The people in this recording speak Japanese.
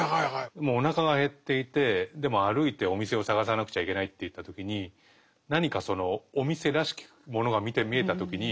もうおなかが減っていてでも歩いてお店を探さなくちゃいけないっていった時に何かそのお店らしきものが見えた時にここはレストランだと。